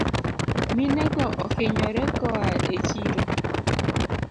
Minego ohinyore koa echiro